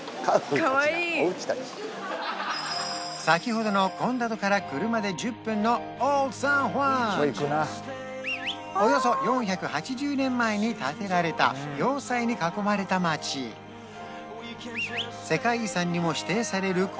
先ほどのコンダドから車で１０分のおよそ４８０年前に建てられた世界遺産にも指定される